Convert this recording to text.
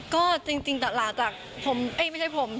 อ๋อก็จริงหลังจากผมไม่ใช่ผม